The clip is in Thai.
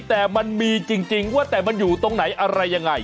แต่มันมีจริงว่าแต่มันอยู่ตรงไหนอะไรยังไง